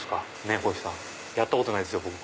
やったことないですよ